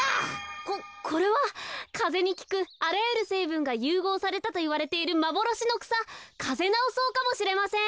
ここれはかぜにきくあらゆるせいぶんがゆうごうされたといわれているまぼろしのくさカゼナオソウかもしれません。